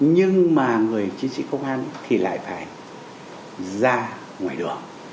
nhưng mà người chiến sĩ công an thì lại phải ra ngoài đường